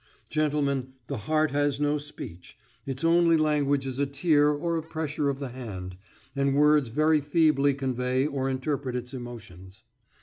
Gentlemen, the heart has no speech; its only language is a tear or a pressure of the hand, and words very feebly convey or interpret its emotions.